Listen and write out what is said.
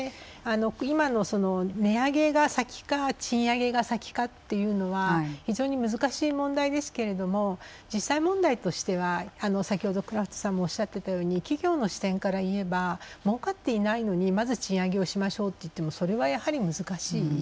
今の値上げが先か賃上げが先かというのは非常に難しい問題ですけど実際問題としては先ほどクラフトさんもおっしゃっていたように企業の視点から言えばもうかっていないのにまず、賃上げをしましょうといっても、それは難しい。